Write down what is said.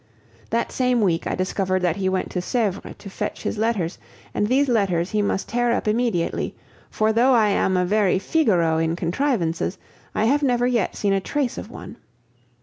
That same week I discovered that he went to Sevres to fetch his letters, and these letters he must tear up immediately; for though I am a very Figaro in contrivances, I have never yet seen a trace of one.